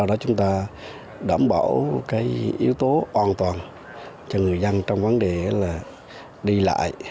trong đó chúng ta đảm bảo yếu tố an toàn cho người dân trong vấn đề đi lại